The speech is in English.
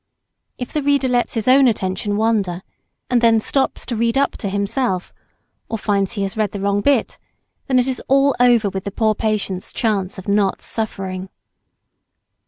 If the reader lets his own attention wander, and then stops to read up to himself, or finds he has read the wrong bit, then it is all over with the poor patient's chance of not suffering.